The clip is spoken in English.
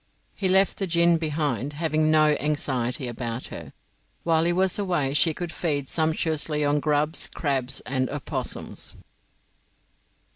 He left the gin behind, having no anxiety about her. While he was away she could feed sumptuously on grubs, crabs, and opossums.